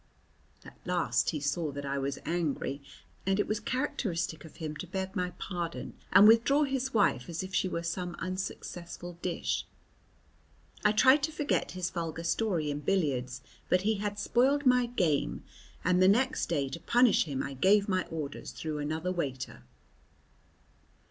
At last he saw that I was angry, and it was characteristic of him to beg my pardon and withdraw his wife as if she were some unsuccessful dish. I tried to forget his vulgar story in billiards, but he had spoiled my game, and next day to punish him I gave my orders through another waiter.